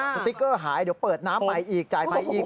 สติกเกอร์หายเดี๋ยวเปิดน้ำไปอีกจ่ายไปอีก